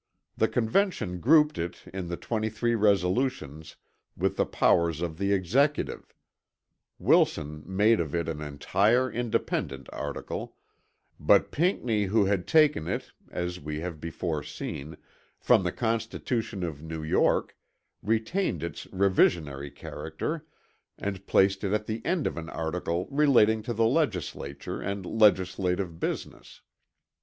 The Convention grouped it in the 23 resolutions with the powers of the Executive; Wilson made of it an entire, independent article, but Pinckney who had taken it, as we have before seen, from the constitution of New York, retained its revisionary character and placed it at the end of an article relating to the legislature and legislative business.